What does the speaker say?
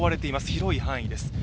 広い範囲です。